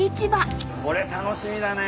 これ楽しみだね。